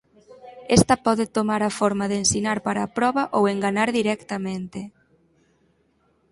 Esta pode tomar a forma de ensinar para a proba ou enganar directamente.